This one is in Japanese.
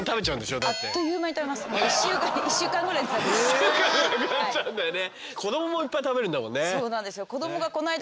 １週間でなくなっちゃうんだよね。